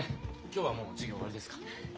今日はもう授業終わりですか？